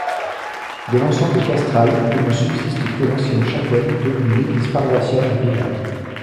De l'ensemble castral, il ne subsiste que l'ancienne chapelle devenue l'église paroissiale du village.